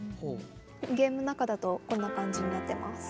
ゲームの中だとこんな感じになってます。